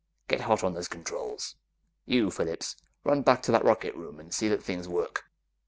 "Get hot on those controls. You, Phillips! Run back to that rocket room and see that things work!"